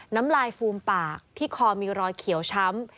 น้ำลายฟูมปากที่คอมีรอยเขียวช้ำ